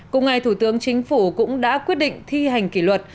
cùng ngày thủ tướng chính phủ cũng đã quyết định thi hành kỷ luật